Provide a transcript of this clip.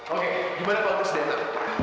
oke gimana kau tes dna